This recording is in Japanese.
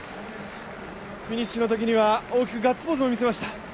フィニッシュのときには大きくガッツポーズを見せました。